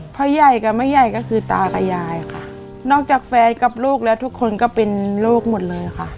พ่อใหญ่กับแม่ใหญ่ก็คือตากับยายค่ะนอกจากแฟนกับลูกแล้วทุกคนก็เป็นลูกหมดเลยค่ะ